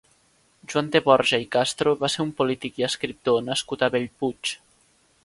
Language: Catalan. Joan de Borja i Castro va ser un polític i escriptor nascut a Bellpuig.